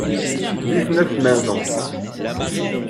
Dix-neuf maisons.